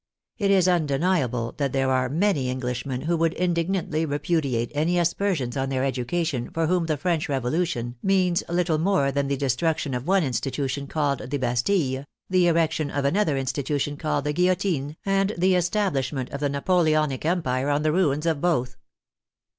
It is undeniable that there are many Englishmen who would indignantly repudiate any asper sions on their education for whom the French Revolution means little more than the destruction of one institution called the Bastille, the erection of another institution called the Guillotine, and the establishment of the Napo leonic Empire on the ruins of both.